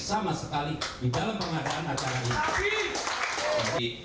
sama sekali di dalam pengadaan acara ini